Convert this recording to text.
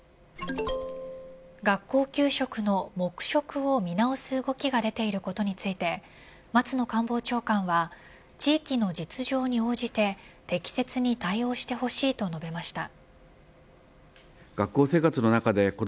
学校給食の黙食を見直す動きが出ていることについて松野官房長官は地域の実情に応じて適切に対応してほしいと述べました。